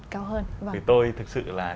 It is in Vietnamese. cái tôi thật sự là